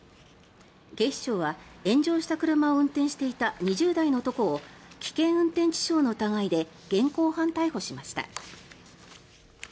警視庁は炎上した車を運転していた２０代の男を危険運転致傷の疑いで現行犯逮捕しました。